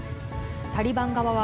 タリバン側は、